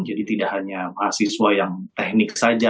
jadi tidak hanya mahasiswa yang teknik saja